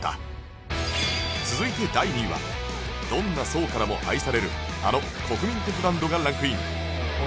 続いて第２位はどんな層からも愛されるあの国民的バンドがランクインおっ！